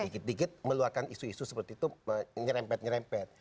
dikit dikit meluarkan isu isu seperti itu nyerempet nyerempet